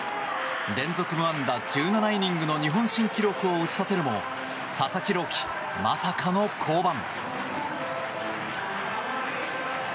連続無安打１７イニングの日本新記録を打ち立てるも佐々木朗希、まさかの降板。